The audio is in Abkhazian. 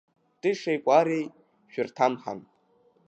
Тышеи кәареи шәырҭамхан!